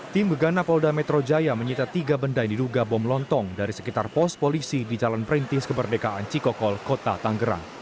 tim gegana polda metro jaya menyita tiga benda yang diduga bom lontong dari sekitar pos polisi di jalan perintis kemerdekaan cikokol kota tanggerang